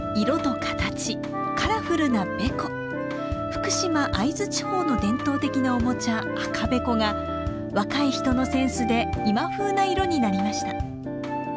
福島会津地方の伝統的なおもちゃ赤べこが若い人のセンスで今風な色になりました。